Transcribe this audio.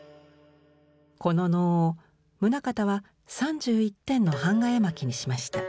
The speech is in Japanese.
この能を棟方は３１点の板画絵巻にしました。